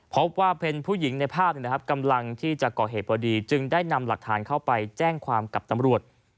พบว่าเป็นผู้หญิงในภาพกำลังที่จะก่อเหตุพอดีจึงได้นำหลักฐานเข้าไปแจ้งความกับตำรวจ